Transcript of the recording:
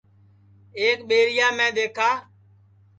ایک ٻیریا میں دؔیکھا